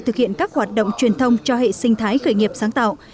thực hiện các hoạt động truyền thông cho hệ sinh thái khởi nghiệp sáng tạo